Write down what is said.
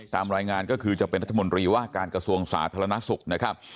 ตามรายงานก็คือจะเป็นรัฐมนตรีว่าการกระทรวงสาธารณสุขนะครับ